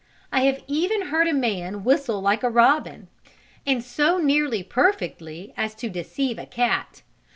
I have even heard a man whistle like a robin, and so nearly perfectly as to deceive a cat.